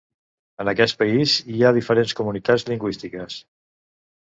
En aquest país hi ha diferents comunitats lingüístiques.